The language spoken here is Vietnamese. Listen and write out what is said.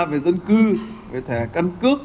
về dân cư về thẻ căn cước